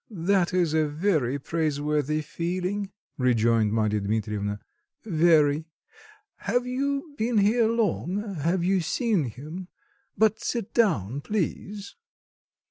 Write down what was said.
"That is a very praiseworthy feeling" rejoined Marya Dmitrievna, "very. Have you been here long? Have you seen him? But sit down, please."